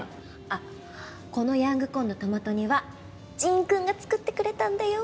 あっこのヤングコーンのトマト煮は神君が作ってくれたんだよ。